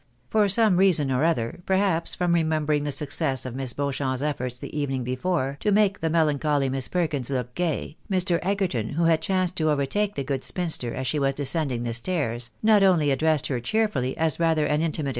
For some reason or other, perhaps from remembering the success of Miss Beauchamp's efforts the evening before, to make the melancholy Miss Perkins look gay, Mr. Egerton, who had chanced to overtake the good spinster as she was descending the stairs, not only addressed her cheerfully as rather an intimate MISS MATll^BA QUITE UNDERSTAKDS THE MATTER.